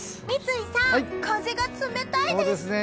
三井さん、風が冷たいです。